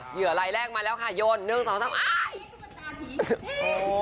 เยื่อไรแรกมาแล้วค่ะยนต์นึงสองสามสาม